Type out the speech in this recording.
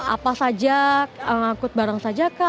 apa saja ngakut bareng saja kah